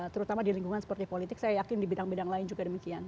terutama di lingkungan seperti politik saya yakin di bidang bidang lain juga demikian